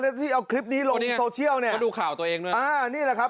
แล้วที่เอาคลิปนี้ลงโซเชียลเนี่ยมาดูข่าวตัวเองด้วยอ่านี่แหละครับ